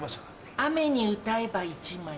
『雨に唄えば』１枚。